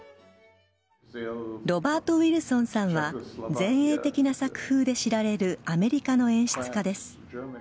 ロバート・ウィルソンさんは前衛的な作風で知られるアメリカの演出家です。